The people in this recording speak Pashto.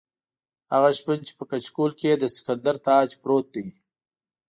هغه شپون چې په کچکول کې یې د سکندر تاج پروت دی.